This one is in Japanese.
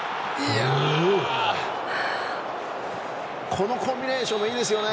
このコンビネーションもいいですよね。